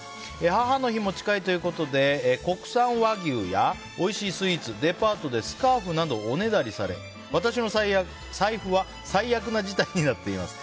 母の日も近いということで国産和牛やおいしいスイーツデパートでスカーフなどをおねだりされ、私の財布は最悪の事態になっています。